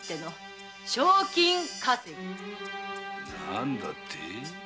何だって？